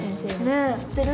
ねえ知ってる？